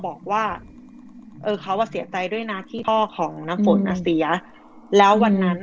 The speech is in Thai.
บอกว่าเออเขาอ่ะเสียใจด้วยนะที่พ่อของน้ำฝนอ่ะเสียแล้ววันนั้นอ่ะ